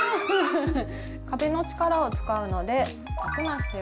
壁の力を使うので楽な姿勢がとれるのと。